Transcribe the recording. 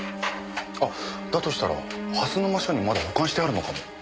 あっだとしたら蓮沼署にまだ保管してあるのかも。